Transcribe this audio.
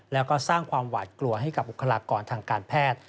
แล้วก็สร้างความหวาดกลัวให้กับบุคลากรทางการแพทย์